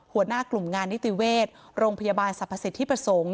หัวหน้ากลุ่มงานนิติเวชโรงพยาบาลสรรพสิทธิประสงค์